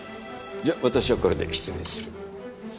じゃあ私はこれで失礼する。